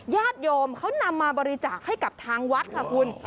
ญาติโยมเขานำมาบริจาคให้กับทางวัดค่ะคุณ